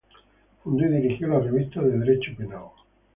Fundó y dirigió la Revista de derecho penal.